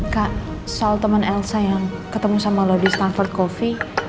kak soal temen elsa yang ketemu sama lo di stanford coffee